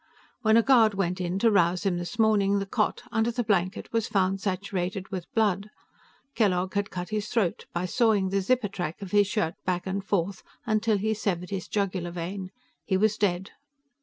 "When a guard went in to rouse him this morning, the cot, under the blanket, was found saturated with blood. Kellogg had cut his throat, by sawing the zipper track of his shirt back and forth till he severed his jugular vein. He was dead."